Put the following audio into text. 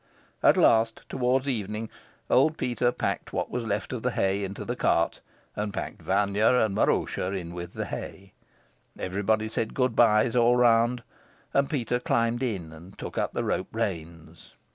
At last, towards evening, old Peter packed what was left of the hay into the cart, and packed Vanya and Maroosia in with the hay. Everybody said good byes all round, and Peter climbed in and took up the rope reins.